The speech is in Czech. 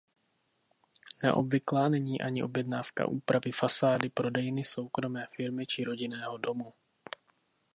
Neobvyklá není ani objednávka úpravy fasády prodejny soukromé firmy či rodinného domu.